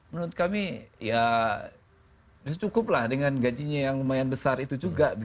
menurut kami ya cukup lah dengan gajinya yang lumayan besar itu juga